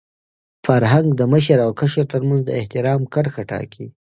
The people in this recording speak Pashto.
فرهنګ د مشر او کشر تر منځ د احترام کرښه ټاکي.